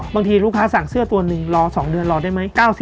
บางทีลูกค้าสั่งเสื้อตัวหนึ่งรอ๒เดือนรอได้ไหม